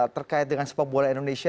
terkait dengan sepak bola indonesia